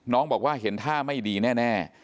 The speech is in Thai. น้องบอกว่าเห็นท่าไม่ดีแน่